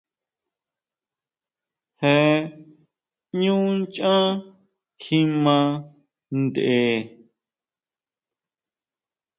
Je ʼñú nchán kjima tʼen.